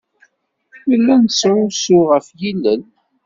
Nella nettrusu ɣef yilel.